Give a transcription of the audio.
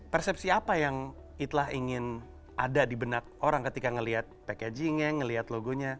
persepsi apa yang itlah ingin ada di benak orang ketika melihat packagingnya ngeliat logonya